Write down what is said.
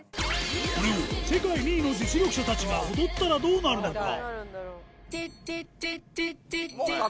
これを世界２位の実力者たちが踊ったらどうなるのか。